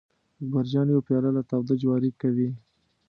اکبر جان یو پیاله له تاوده جواري کوي.